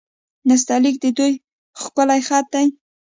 نستعلیق د دوی ښکلی خط دی.